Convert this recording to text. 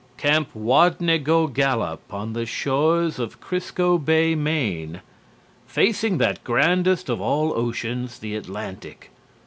"'Camp Wad ne go gallup on the shores of Crisco Bay, Maine. Facing that grandest of all oceans, the Atlantic.